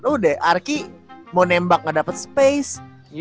udah arki mau nembak ga dapet space